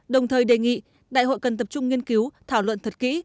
đồng thời đề nghị đại hội cần tập trung nghiên cứu thảo luận thật kỹ